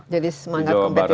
jadi semangat kompetitif